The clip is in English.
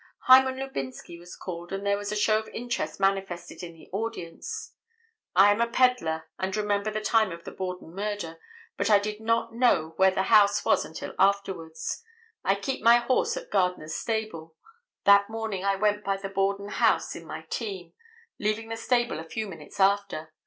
Hyman Lubinsky was called, and there was a show of interest manifested in the audience. "I am a pedler, and remember the time of the Borden murder, but I did not know where the house was until afterwards; I keep my horse at Gardner's stable; that morning I went by the Borden house in my team, leaving the stable a few minutes after.